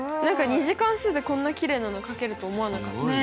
何か２次関数でこんなきれいなのかけると思わなかった。